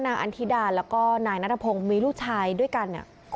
นางอันธิดาแล้วก็นายนาตาโพงมีลูกชายด้วยกันนะครับ